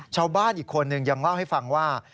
ชาวบ้านอีกคนนึงยังเล่าให้ฟังว่า